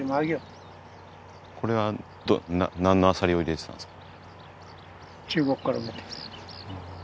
これは何のアサリを入れていたんですか？